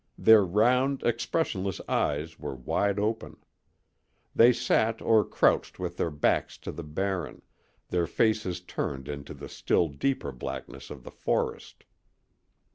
Their round, expressionless eyes were wide open. They sat or crouched with their backs to the Barren, their faces turned into the still deeper blackness of the forest.